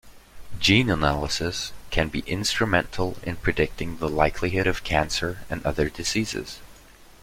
Gene analysis can be instrumental in predicting the likelihood of cancer and other diseases.